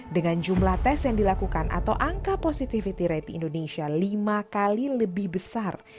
dengan jumlah tes yang dilakukan atau angka positivity rate di indonesia lima kali lebih besar